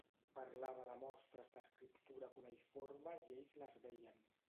Parlava de mostres d'escriptura cuneïforme i ells les veien.